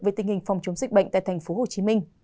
về tình hình phòng chống dịch bệnh tại tp hcm